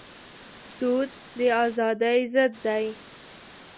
سود د ازادۍ ضد دی.